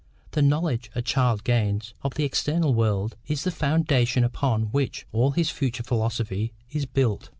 The knowledge a child gains of the external world is the foundation upon which all his future philosophy is built.